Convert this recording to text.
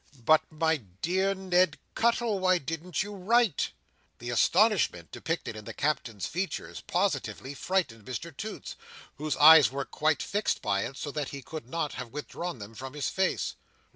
But my dear Ned Cuttle, why didn't you write?" The astonishment depicted in the Captain's features positively frightened Mr Toots, whose eyes were quite fixed by it, so that he could not withdraw them from his face.